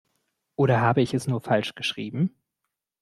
Oder habe ich es nur falsch geschrieben?